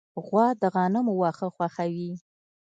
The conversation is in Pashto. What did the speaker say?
غوا د غنمو واښه خوښوي.